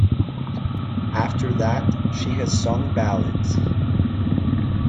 After that, she has sung ballads.